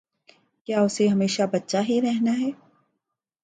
کیا اسے ہمیشہ بچہ ہی رہنا ہے؟